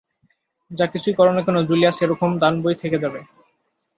যা কিছুই করো না কেন, জুলিয়াস এরকম দানবই থেকে যাবে।